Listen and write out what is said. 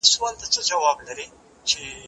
زه اوږده وخت لیکل کوم!؟